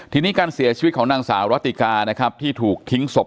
ทีนี้การเสียชีวิตของนางสาวรัติกานะครับที่ถูกทิ้งศพ